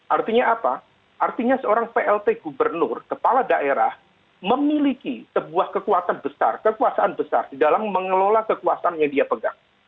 artinya apa artinya seorang plt gubernur kepala daerah memiliki sebuah kekuatan besar kekuasaan besar di dalam mengelola kekuasaan yang dia pegang